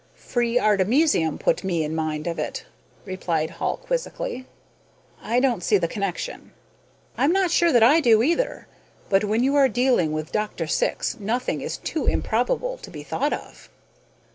"Free artemisium put me in mind of it," replied Hall, quizzically. "I don't see the connection." "I'm not sure that I do either, but when you are dealing with Dr. Syx nothing is too improbable to be thought of."